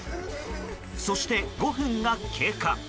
そして、５分が経過。